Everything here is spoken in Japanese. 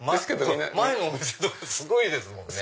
前のお店とかすごいですもんね。